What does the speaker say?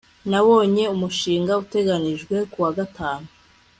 Naboshye umushinga uteganijwe kuwa gatanu